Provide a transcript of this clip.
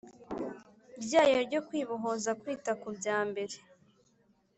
rwayo rwo kwibohoza Kwita ku bya mbere